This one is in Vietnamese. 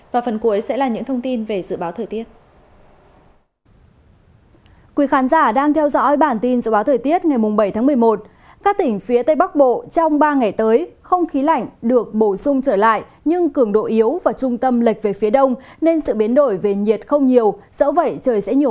và phần cuối sẽ là những thông tin về dự báo thời tiết